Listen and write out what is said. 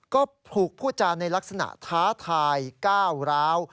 ก็ถูกพูดจานในลักษณะท้าทายก้าวร้าว